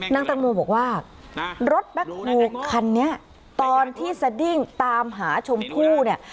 แตงโมบอกว่ารถแบ็คโฮคันนี้ตอนที่สดิ้งตามหาชมพู่เนี่ย